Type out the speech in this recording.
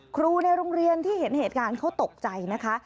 ครูในโรงเรียนที่เห็นเหตุการณ์เขาตกใจนะคะ